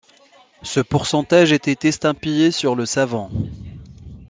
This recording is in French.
Ce pourcentage était estampillé sur le savon.